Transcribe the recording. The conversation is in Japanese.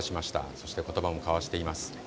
そして、ことばも交わしています。